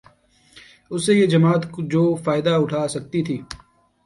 اس سے یہ جماعت جو فائدہ اٹھا سکتی تھی